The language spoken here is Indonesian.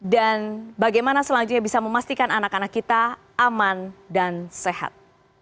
dan bagaimana selanjutnya bisa memastikan anak anak kita aman dan sehat